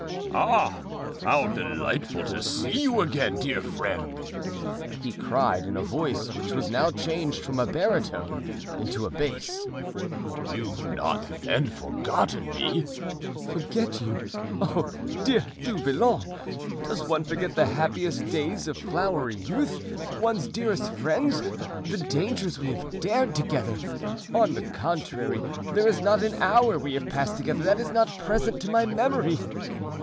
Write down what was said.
"Ah! how delightful to see you again, dear friend!" he cried, in a voice which was now changed from a baritone into a bass, "you've not then forgotten me?" "Forget you! oh! dear Du Vallon, does one forget the happiest days of flowery youth, one's dearest friends, the dangers we have dared together? On the contrary, there is not an hour we have passed together that is not present to my memory."